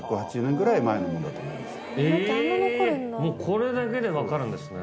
これだけで分かるんですね。